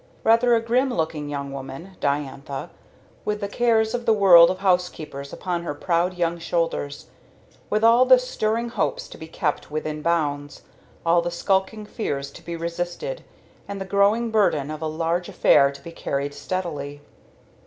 Rather a grim looking young woman, Diantha, with the cares of the world of house keepers upon her proud young shoulders; with all the stirring hopes to be kept within bounds, all the skulking fears to be resisted, and the growing burden of a large affair to be carried steadily.